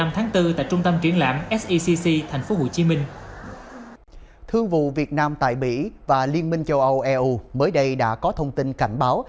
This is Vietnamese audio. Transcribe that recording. thương vụ việt nam tại mỹ và liên minh châu âu eu mới đây đã có thông tin cảnh báo